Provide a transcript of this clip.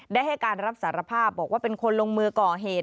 ได้ให้การรับสารภาพบอกว่าเป็นคนลงมือก่อเหตุ